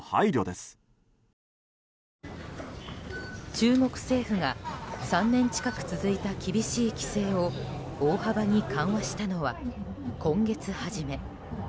中国政府が３年近く続いた厳しい規制を大幅に緩和したのは今月初め。